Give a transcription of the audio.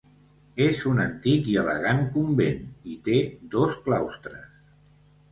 És un antic i elegant convent i té dos claustres.